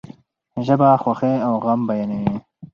ژبه خوښی او غم بیانوي.